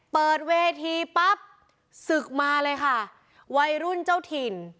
เปิดเวทีปั๊บศึกมาเลยค่ะวัยรุ่นเจ้าถิ่น